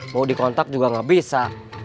mau dikontak juga nggak bisa